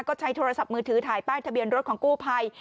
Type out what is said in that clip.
ก็ใช้โทรศัพท์มือถือถ่ายป้ายทะเบียนรถของกู้ภัย